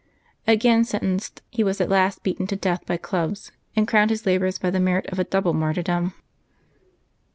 Again sentenced, he was at last beaten to death by clubs, and crowned his labors by the merit of a double martyrdom.